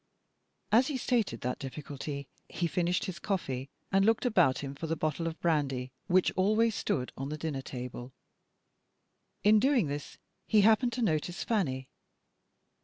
As he stated that difficulty, he finished his coffee, and looked about him for the bottle of brandy which always stood on the dinner table. In doing this, he happened to notice Fanny.